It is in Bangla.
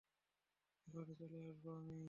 এখনি চলে আসবো, আমি।